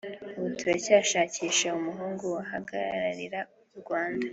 ubu turacyashakisha umuhungu wahagararira u Rwanda